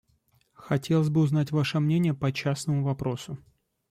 Хотелось бы узнать ваше мнение по частному вопросу.